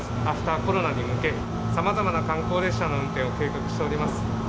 アフターコロナに向け、さまざまな観光列車の運転を計画しております。